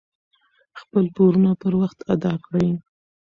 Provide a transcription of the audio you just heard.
خپل پورونه پر وخت ادا کړئ.